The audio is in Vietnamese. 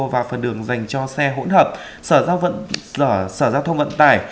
và phần đường dành cho xe hỗn hợp sở giao thông vận tải